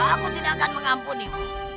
aku tidak akan mengampunimu